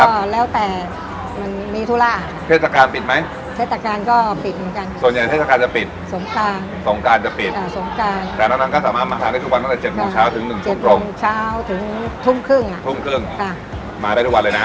โอเควันนี้ขอบคุณมากครับทุกแม่ครับ